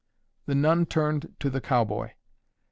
The nun turned to the cowboy.